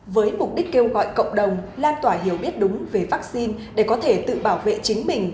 với mục đích kêu gọi cộng đồng lan tỏa hiểu biết đúng về vaccine để có thể tự bảo vệ chính mình